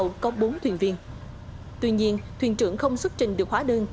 ba mươi lít dầu đeo trên tàu có bốn thuyền viên tuy nhiên thuyền trưởng không xuất trình được hóa đơn